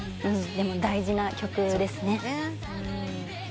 でも大事な曲ですね。